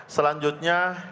enemi ini ternyata